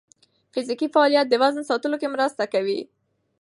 فزیکي فعالیت د وزن ساتلو کې مرسته کوي.